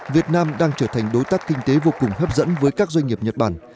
việt nam đang trở thành đối tác kinh tế vô cùng hấp dẫn với các doanh nghiệp nhật bản